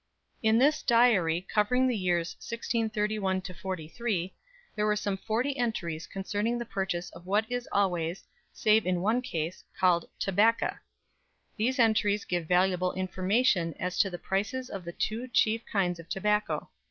In this "Diary," covering the years 1631 43, there are some forty entries concerning the purchase of what is always, save in one case, called "tobacka." These entries give valuable information as to the prices of the two chief kinds of tobacco.